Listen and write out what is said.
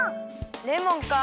レモンか。